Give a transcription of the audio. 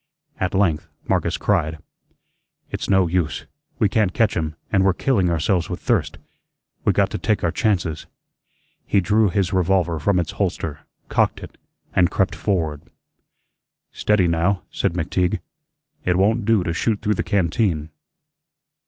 At length Marcus cried: "It's no use, we can't catch him, and we're killing ourselves with thirst. We got to take our chances." He drew his revolver from its holster, cocked it, and crept forward. "Steady, now," said McTeague; "it won' do to shoot through the canteen."